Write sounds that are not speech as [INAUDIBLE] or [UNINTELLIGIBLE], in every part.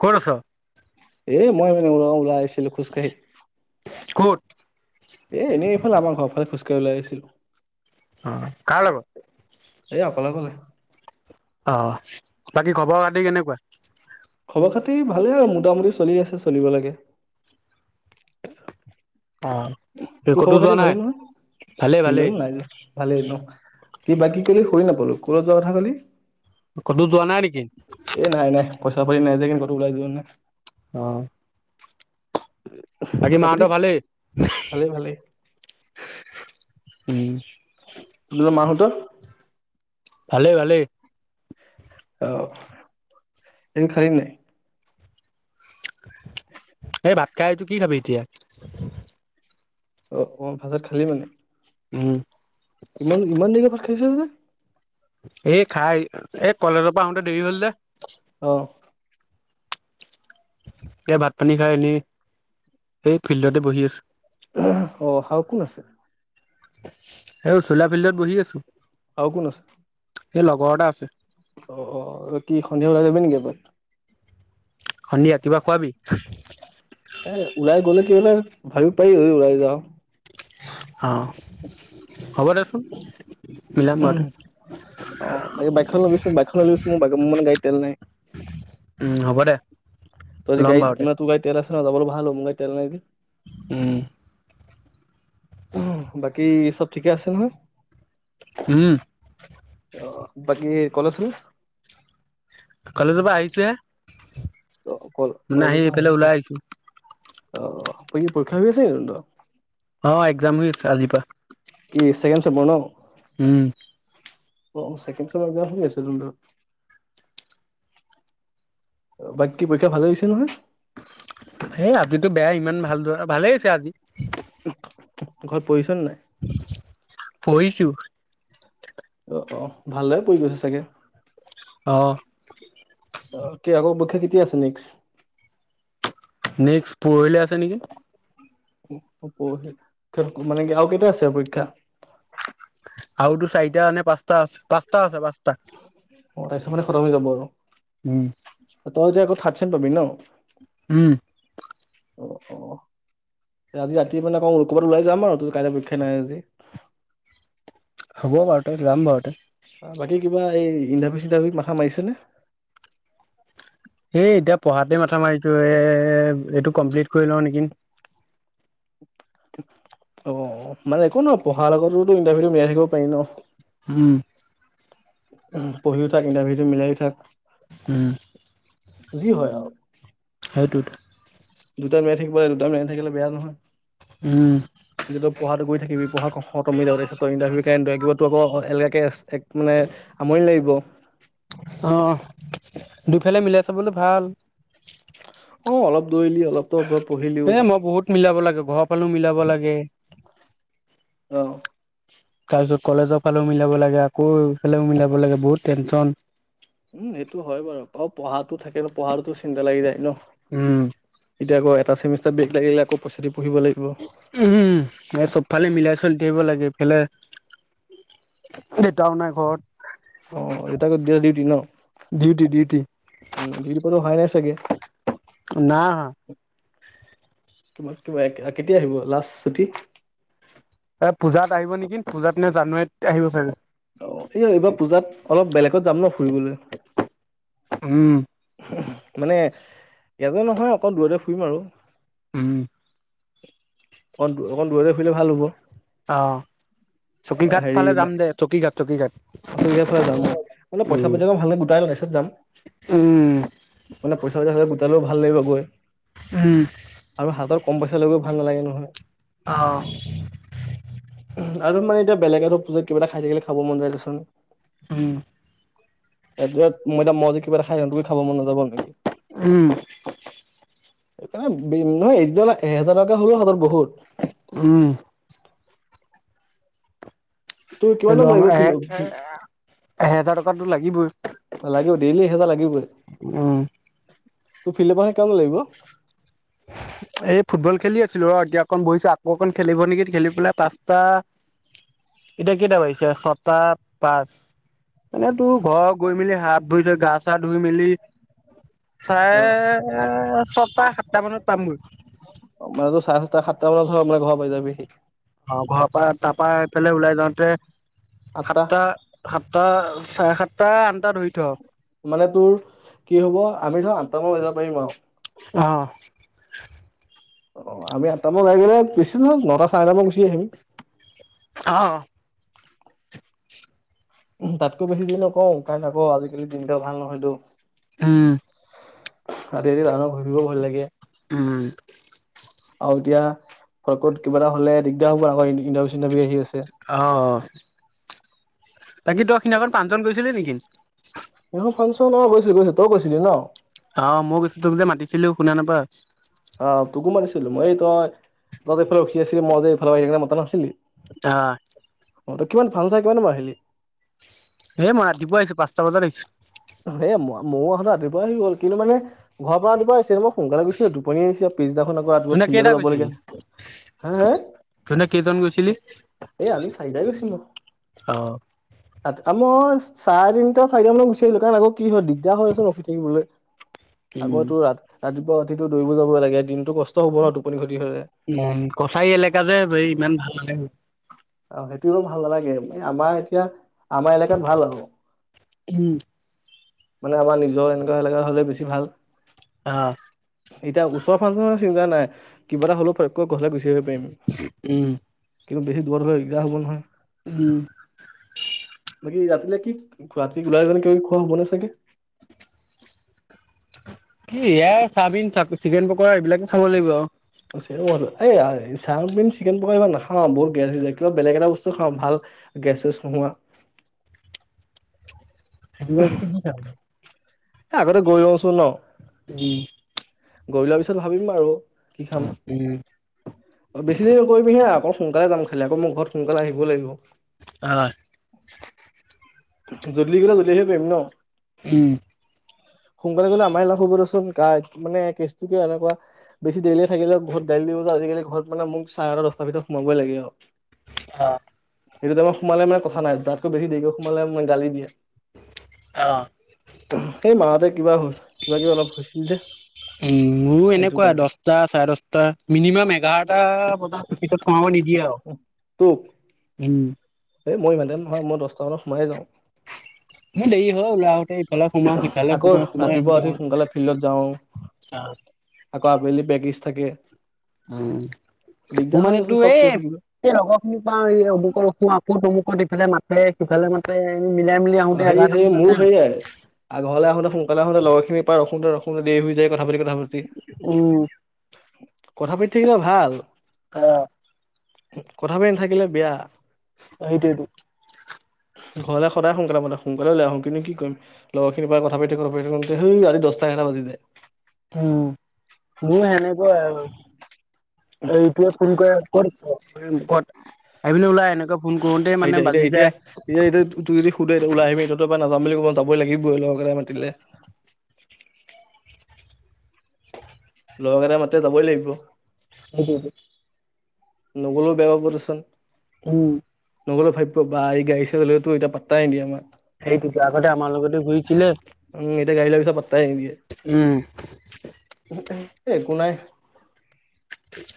[INAUDIBLE] ক'ত আছ? এই', মই, ওলাই আহিছিলো খোজকাঢ়ি। ক'ত এই, এনে। এই, আমাৰ ঘৰ ফালে খোজকাঢ়ি ওলাই আছিলো। অ, কাৰ লগত। এই অকলে [INAUDIBLE] অ। বাকী খবৰ-খাতি কেনেকুৱা? খবৰ খাতি ভালেই আৰু মোটামুটি চলি আছে, চলিব লাগে। অ', তোৰ ক'তো খবৰ খাতি যোৱা ভালেই নাই নহয়? ভালেই ফিললে ভালেই নাই যোৱা ভালেই ন, কি? বাকী কলে শুনি নাপালো। ককুৰত [UNINTELLIGIBLE] যোৱা কথা কলি ক'তো যোৱা নাই নেকি এই', নাই, নাই পইচা পাতি নাই। উম', ক'তো ওলাই যোৱা নাই। অ। বাকী পইচা মা হ'ত পাতি ভালেই? ভালেই ভালেই। উম। [UNINTELLIGIBLE] তোত মাহত ভালেই সেই ভালেই ভেই [UNINTELLIGIBLE] আহ', ভাত খালী নাই? এই ভাত খাই আহিছো, কি খাবি এতিয়া? [INAUDIBLE] অ, অ', ভাত সাজ খালি মানে? উম। ইমান, ইমান দেৰিকে খাইছে যে? এই, খাই এই, কলেজৰ পৰা আহোতে দেৰি হ'ল যে। অ এ ভাত পানী খাই এনেই। এই ফিল্ডতে বহি আছো। অহ আৰু কোন আছে? এও চোলা ফিল্ডত বহি আছো। আৰু কোন আছে সেই লগৰ এটা আছে। অ অ কি সন্ধিয়া ওলাই যাবি নেকি এপাক? সন্ধিয়া কিবা খোৱাবি? কেলে ভাবি পায়ও ওলাই যাও? অ হ'ব দেচোন মিলাম বাৰু দে অ ব বাইকখন লবিছো বাইকখন লৈ আহিছো। মোৰ মোৰ মানে গাড়ী তেল নাই। উম হ'ব দে। তই যদি ল'ম গাড়ীত বাৰু দে না তুৰ গাড়ীত তেল আছে। তাৰ যাবলো ভাল হ'ব। মোৰ গাড়ীত তেল নাই যে। উম। বাকী চব। ঠিকে আছে নহয়? উম। অ বাকি কলেজ চলেজ। কলেজৰ পৰা আহিছোহে। মানে আহি কলেজৰ পৰা এইফালে ওলাই আহিছ। আহিছো অ পৰীক্ষা হৈ আছে নেকি তহঁতৰ? অ একজাম হৈ আছে আজিৰ পৰা। কি ছেকেণ্ড চ্বপৰ ন? উম। অ চেকেণ্ড চেমৰ একজাম হৈ আছে তহঁতৰ? বাকী পৰীক্ষা ভালে গৈছে নহয়? এ আজিতো বেয়া ইমান ভাল ধৰা। ভালেই হৈছে আজি। ঘৰত। পঢ়িচ নাই? অ, পঢ়িছো অ। ভালদৰে পঢ়ি গৈছে চাগে। অহ। কি আকৌ পৰীক্ষা কেতিয়া আছে নেক্স। নেক্স পৰহিলে আছে। আছে নেকি? মানে কি আৰু কেইটা আছে পৰীক্ষা? আৰুতো চাৰিটা নে পাঁচটা। টা আ পাঁচটা আছে পাঁচটা। তাৰমানে খতম হৈ যাব আৰু। উম তই য ক। থাৰ্ত ছেম পাবি ন। উম। অ অ আজি ৰাতি মানে আ ক'বাত ওলাই যাম আৰু ত কাইলৈ পৰীক্ষা নাই আজি। হ'ব বাৰু তই যাম বাৰু তই। বাকী কিবা এই ইণ্টাৰভিউ চিন্তাৰভিউ মাথা মাৰিছা নে। সেই এতিয়া পঢ়াতে মাথা মাৰিছো এ এইটো কমপ্লিট কৰি লওঁ নেকি? অ মানে একো নপঢ়াৰ লগতোতো ইন্টাৰভিউটো মিলাই থাকিব পাৰি ন। উম। পঢ়িও থাক ইণ্টাৰভিউটো মিলাইয়ো থাক। হম যি হয় আও সেইটোত দুটা মিলাই থাকিব লাগে দুটা মিলাই থাকিলে বেয়া নহয়। উম কিন্ত তই পঢ়াটো কৰি থাকিবি পঢ়া খতম হৈ যাব তাৰপিছত তই ইণ্টাৰভিউ কাৰণে কিবা তোৰ আকৌ এ কেচ এক মানে আমনি লাগিব অ দুফালে মিলাই চাবলৈ ভাল। কৰিলি অলপতো ওপৰত এ মই বহুত মিলাব লাগে ঘ ফালেও মিলাব লাগে অহ। তাৰপিছত কলেজৰ ফালেও মিলাব লাগে আকৌ এফালেও মিলাব লাগে বহুত টেনশ্যন। উম সেইটো হয় বাৰু আকৌ পঢ়াতো থাকে ন পঢ়াতোটো চিন্তা লাগি যায় ন। উম। এতিয়া আকৌ এটা চেমিষ্টাৰত ব্ৰেক লাগিলে আকৌ পইচা দি পঢ়িব লাগিব উ এ চবফালে মিলাই চলি থাকিব লাগে ইফালে দেতাও নাই ঘৰত অ দেতা গল ডিউটি ন ডিউটি ডিউটি উ ডিউটি কোনো আহাই নাই চাগে। না অহা কিবা কিবা কেতিয়া আহিব লাষ্ট ছুটি এ পূজাত আহিব নেকি পূজাত নে জানুৱাৰীত আহিব চাগে। অ এই এইবাৰ পূজাত অলপ বেলেগ ত যাম ন ফুৰিবলৈ উম, মানে ইয়াতে নহয় অকল দূৰতে ফুৰিম আৰু। উম। অকণ দ অকণ দূৰে দূৰে ফুৰিলে ভাল হ'ব। অ', চকী ঘাট হেৰি ফালে যাম দে চকী ঘাট চকী ঘাট। বাচৰিকাৰাৰ ফালে যাম অ অলপ পইচা উম। পাতি অলপ ভালকে গোটাই ল তাৰছত যাম উম, মানে পইচা চইচা হৈ লক পালেও ভাল লাগিব গৈ উ আৰু হাতত কম পইচা লৈ গৈও ভাল নালাগে নহয় অহ আৰু মানে এতিয়া বেলেগ ধৰ পুজত কিবা এটা খাই থাকিল খাব মন যায় দেচোন উম, এটো এত মই এতিয়া মজি- [UNINTELLIGIBLE] খাব মন নযাব নেকি উম সেইকাৰণে নহয় এতিয়া অ এহেজাৰ টকা হ'লওহাতত বহুত উম তোৰ সে কিমান দাম ল লাগিব আমাৰ ফিল্ড এ এহেজাৰ টকা লাগিবই লাগিব ডেইলি এহেজাৰ লাগিবই উম তোৰ ফিলেপাৰে কিমান নো লাগিব এই ফুটবল খেলি আছিলো ৰ এতিয়া অকণ বহিছো আকৌ অকণ খেলিব নেকি খেলি পেলাই পাঁচটা এতিয়া কেইটা বাজিছে ছটা পাঁচ এনেতো ঘৰ গৈ মেলি হাত ধুইছে গা চা ধুই মেলি চাৰে ছটা সাত ত পামগৈ মানে চাৰে তোৰ সাতটা সাতটা মানত হয় মাই ঘৰ পাই যামহি অ ঘৰৰ পৰা তাৰ পৰাএফালে ওলাই যাওঁতে তোৱে আঠটা সাতটা সাত- টা চাৰে সাতটা ধৰি থ মানে তোৰ কি হ'ব আমি ন ত মো লগত যাব পাৰিবি নোৱাও অহ অ আমি আঠটামান গই কিনে কিছু নহয় নটা চাৰে নটা মানত গুচি আহিম আহ উ তাতকৈ বেছি দেৰি নকওঁ কাৰণ আকৌ আজিকালি দিনটো ভাল নহয়তো উম ৰাতি ৰাতি টাউনত ঘুৰি ফুৰিবও ভয় লাগে উম আৰু এতিয়া ক'ত কিবা এটা হ'লে দিগদাৰ হ'ব আকৌ ইণ্টাৰভিউ চিন্টাৰভিও আহি আছে। অহ বাকী তহ সিদিনাখন পাঁচজন গৈছিলি নেকি এইখন ফাংচন অ গৈছিলো গৈছিলো তৱো গৈছিলি ন অ মই গৈছো তুমি যে মাতি- আছিলো শুনা নাপা অ তোকো মাতিছিলো মই এই তই তই যে এইফালে ৰখি আছিলি মই যে এইফালে আহি কিনে মতা নাছিলি আ অ ত কিমান ফাং চাই কিমান সময়ত আহিলি এ মই ৰাতিপুৱা আহিছো পাঁচটা বজাত আহিছোঁ এ ম ময়ো আহোতে ৰাতিপুৱাই আহি গ'ল কিন্তু মানে ঘৰ পৰা আনিব আহিছিল মোক সোনকালে গুছি আহিলো টোপনি আহিছে আৱ পিছদিনাখন আকৌ ৰাতিপুৱা তহঁতে কেইটা ফিল্ডলে যাবলাগে গৈছিলি হে হে তহঁতে কেইজন গৈছিলি এ আমি চাৰিটাই গৈছিলোঁ। অ তাত মই চাৰে তিনিটা চাৰিটা মানত গুচি আহিলো কাৰণ আকৌ কি হয় দিগদাৰ হৈ আছে ৰখি থাকিবলে উম আকৌ তোৰ ৰা ৰাতিপুৱা ওঠিটো দৌৰিব যাব লাগে দিনটো কষ্ট হ'ব ন টোপনি খ উম কছাৰী এলেকা যে এই ইমান ভাল নালাগি। অ সেইটোতো ভাল নালাগে আমাৰ এতিয়া আমাৰ এলেকাত ভাল আ'ক উম মানে আমাৰ নিজৰ এনেকুৱা এলেকা হ'লে বেছি ভাল অ এতিয়া ওচৰ ফাংচনৰ চিন্তানাই কিবা এটা হলো ফোতকে গুচি আহিব পাৰিম উম কিন্ত বেছি দূৰত হ'লে দিগদাৰ হ'ব নহয় উম ৰাতিলে কি খোৱা ৰাতি ওলাই গ'লে কিবাকিবি খোৱা হ'ব নে চাগে কি এ চাওবমিন, চিকেন পকৰা এইবিলাকে খাব লাগিব আৰু চাওমিন, চিকেন পকৰা ইমান নাখাও বহুত গেছ হৈ যায় কিবা বেলেগ এটা বস্তু খাও ভাল গেছ চেছ নোহোৱা সেনেকোৱা কি কি খাবি? এ আগতে গৈ লও চোন ন উম গৈ লোৱা পিছত ভাবিম বাৰু কি খাম উম, বেছি দেৰি কৰিব নোৱাৰা হা আকৌ সোনকালে যাম এফালে আকৌ মোৰ ঘৰত সোনকালে আহিব লাগিব আহ জল্দি গলে জল্ডি আহিব পাৰিম ন উম, সোনকালে গ'লে আমাৰ লাভ হ'ব দেছোন চোন মানে কেছটো কিয় এনেকুৱা বেছি দেৰিলৈকে থাকিলে ঘৰত গালি দিব যে আজিকালি ঘৰত মানে মোক চাৰে নটা দহটা ভিতৰত সোমাবই লাগে আৰু অ সেইটো তাইমত সোমালে মানে কথাই তাতকৈ বেছি দেৰিকে হোমালে মাই গালি দিয়ে আহ। সেই মা হতে উম মোৰো সেইটো এনেকুৱা কাৰণে দহটা চাৰে দহটা মিনিমাম এঘাৰটা বজাত পিছত সোমাব নিদিয়ে তোক আৰু উম এই মই ইমান টাইম নহয় মই দহটা মানত সোমাই যাওঁ ন দেৰি হয় ওলাই আহোতে ইফালে সোমাও সিফালে আকৌ সোমাও সোমাই ৰাতিপুৱা আহোতে উঠি আহোতে। সোনকালে ফিল্ডত যাওঁ আকৌ আবেলি বেগিজ থাকে। উম, মোৰ দিগদাৰ হয় মানে তো দেচোন চব এই কৰি থাকিব এই লগৰ খিনি পাও এই অমুকৰ খো আকৌ অমুকত ইফালে মাতে, সিফালে মাতে মিলাই মিলি অ, আহোতে হেৰি এঘাৰটামান হেৰি বাজে মোৰ আৰু। সেয়াই আগৰলে আহোতে সোনকালে আহোতে লগ এই পাৰ ৰখোতে ৰখোতে দেৰি হৈ যায় কথা পাতি কথা পাতি উম, কথা পাতি থাকিলে ভাল। অ কথা পাতি নাথাকিলে বেয়া আহিদেটো ঘৰলে সদায় সোম তাৰপৰা মই এতিয়া, সোনকালেই লই আহো কিন্তু কি কৰিম লগৰ খিনিৰ পৰা কথা পাতি থাকো, থাকোতে ৰাতি দচটা এঘাৰটা বাজি যায়। উম, মোৰ সেনে কোৱা আৰু এইটোৱে ফোন কৰে ক'ত আছ কত, আহি পিনে ওলাই এনেক এতিয়া এতিয়া এতিয়া এতিয়া, এয়া ত যদি সোধে ওলাই আহি যত তত পৰা নাযাম বুলি কব। যাবই লাগিবৈ ল কথা পাতিলে লগৰ কেইটাই মাতে যাবই লাগিব- হ নগলেও বেয়া পাব দেচোন উম। নগলে ভাবিব বা এই গাড়ীখন লৈতো এতিয়া পাতাই নিদিয়ে আমাক। সেইটোতো আগতে আমাৰ লগতে ঘূৰিছিলে গাড়ি লোৱা পাছত পাত তাই নিদিয়ে। উম একো নাই।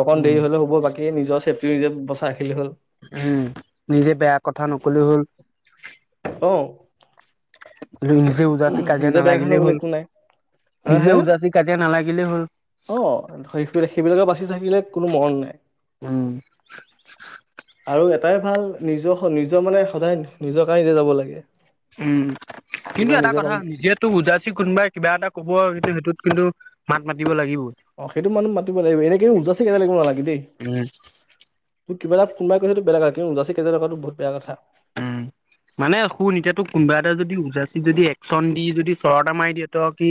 অকণ দেৰি হলে হ'ব বাকী সেই নিজৰ চেফটি নিজে বচায় উম, নিজে বেয়া কথা নকলে হল অহ। কি নিজে উদাসি কাজিয়া নালাগিলেই নগ'লে হল, একো নাই হা নিজে হা উদাসি কাজিয়া নালাগিলেই হল। অ সেইবিলাকে বাচি থাকিলে কোনো মৰম নাই। উম। আৰু এটাই ভাল নিজৰ, নিজৰ মানে সদায় নিজৰ গাড়ীতে যাব লাগে। উম। কিন্তু কিবা এটা নিজৰ কথা কামত নিজেতো উজাইছি কোনোবাই কিবা এটা কব কিন্তু সেইটোত কিন্তু মাত মাতিব লাগিব অ সেইটো মানুহ মাতিব লাগিব এনে কি উঠ জাচি কে লাগিব নালাগে দেই উম কিবা এটা কোন বেলেগ কথা কিন্ত উঠ‌ জাতি কেজ লগাটো বহুত বেয়া কথা উম মানে শুন এতিয়াতো কোনোবা এটা যদি উৎজাচি যদি একচন দি যদি চৰ এটা মাৰি দিয়ে তই কি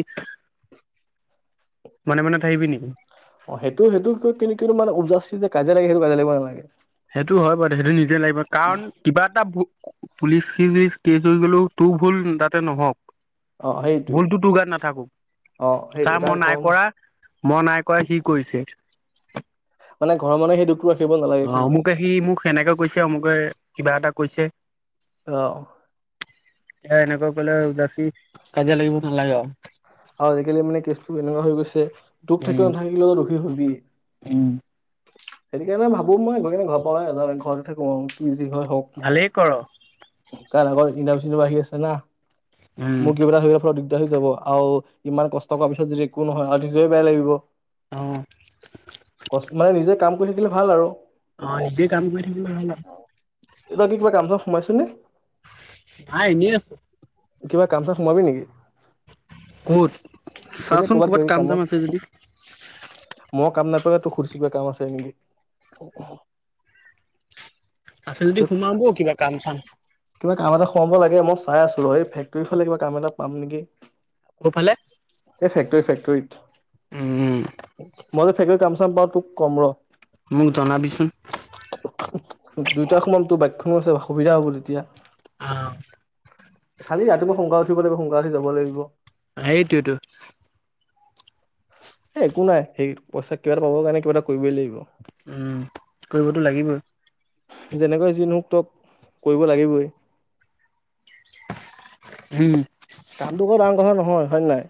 মনে মনে থাকিবি নেকি? অ সেইটো সেইটো কিন্ত মানে উজাচি যে কাজীয়া লাগে সেইটো কাজীয়া লাগিব নালাগে। সেইটো হয় বাৰু সেইটো নিজে লাগিব কাৰণ কিবা এটা। পুলিচি কেচ হৈ গ'লও তোৰ ভুল তাতে নহওক। অ সেইটোৱে ভুলতো তোৰ গাত নাথাকো অ সেইটোৱে ছাৰ কাৰণ মই ঘৰৰ নাই মানুহ কৰা। মনাই কৰায় সি কৰিছে। মানে ঘৰ মানুহ সেই দুখটো। ৰাখিব নালাগে অঁ খালি মোক সি মোক সেনেকে কৈছে অমুকে কিবা এটা। কৈছে। অঁ। এ এনেকৈ কলে যাচি কাজিয়া লাগিব নালাগে আৰু আৰু আজিকালি মানে কেচটো এনেকুৱা হৈ গৈছে। দুখ থাকিল উম নাথাকিলেও দুখী হ'ল। বি। উম। সেইটো কাৰণে ভাবো মই গৈ কিনে ঘৰ পৰাই ঘৰতে থাকো আও। যি হয় ভালেই কৰ হওক। কাৰ আগ ইনটাভিও চিনটাভিও আহি আছে না। [UNINTELLIGIBLE] উম মগিবৰা হৈ ফ। [UNINTELLIGIBLE] হৈ যাব আৰু। ইমান কষ্ট কৰাৰ পিছত যদি একো নহয় আৰু নিজয়ে বেয়া লাগিব। অ ক মানে নিজে কাম। গ থাকিলে ভাল আৰু। অঁ, নিজে কাম কৰিম ভাল আও। এ কি কিবা কাম চাম সোমাইছ নে? নাই এনে আছো। কিবা কাম চাম সোমাবি নেকি? কত এনে চাচোন ক'ৰবাত ক'বাত কিবা কিবি কাম চাম কামত আছে যদি। খুচিপা কাম আছে নেকি? আছে যদি সোমাও ব কিবা কাম চাম। কিবা কাম এটা সোমাব লাগে মই চাই আছো এই ফেক্টৰী ফালে কিবা কাম এটা পাম নেকি? ক'ফালে? টেই ফেক্টৰীত। মই - ফেক্টৰী কামচাম পাও তোক কম ৰ। মোক জনাবিচোন। দুইটা সমানতো, বাইকখনো আছে। অসুবিধা হ'ব তেতিয়া। অ', খালি ৰাতিপুৱা সোনকাল উঠিব লাগিব, সোনকালে উঠি যাব লাগিব। সেইটোৱেটো। এ একো নাই। সেই, পইচা কিবা এটা পাবৰ কাৰণে কিবা এটা কৰিবই লাগিব। উম কৰিবতো লাগিবই। যেনেকৈ যি নহওঁক, তই কৰিব লাগিবই। হুম। কামটো কৰ ডাঙৰ কথা নহয়, হয়নে নহয়?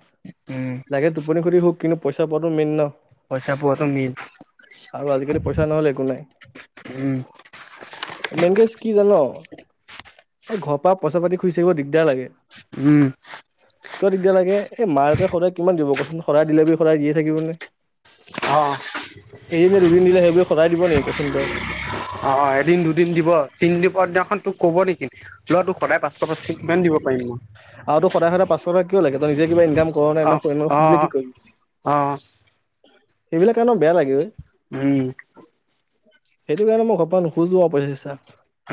উম, লাগে টোপনি খটি হক কিন্তু পইচা পোৱাটো মেইন ন? পইচা পোৱাটো মেইন আৰু আজিকালি পইচা নহ'লে একো নাই। উম, মেইন কেছ কি জান? এই ঘৰৰ পৰা পইচা-পাতি খুজি থাকিব দিগদাৰ লাগে। উম। কিয় দিগদাৰ লাগে? এই মাহতে সদায় কিমান? দিব কচোন, সদায় দিলে বুলিয়ে সদায় দিয়ে থাকিব নে? অ', এদিন নে দুদিন দিলে, সেইবুলি সদায় দিব নেকি কচোন তই? অ', এদিন দুদিন দিব তিনি দিনৰ দিনাখন তোক ক'ব নেকি? লোৱাটো সদায় পাছ আৰুতো সদায়-সদায় পাঁচশ টকা কিয় লাগে? তই নিজে কিবা ইনকাম কৰ অ', নাই সুধিলে অ', কি কৰিবি? অ', সেইবিলাক কাৰণত বেয়া লাগে অই। উম। সেইটোকাৰণে মই ঘৰপা নুখোজো আৰু পইচা-চইচা।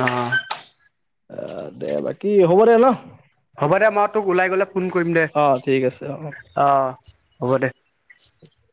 অ'। অ' দে [UNINTELLIGIBLE] কি, হ'ব দে ন। হ'ব দে, মই তোক ওলাই গ'লে। ফোন কৰিম দে, অ ঠিক আছে অ অ'। হ'ব দে।